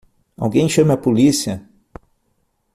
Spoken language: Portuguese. Alguém chame a polícia!